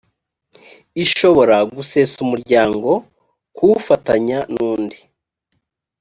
ishobora gusesa umuryango kuwufatanya nundi